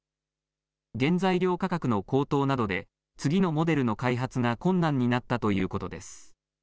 原材料価格の高騰などで次のモデルの開発が困難になったということです。